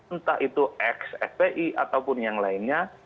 entah itu x fpi ataupun yang lainnya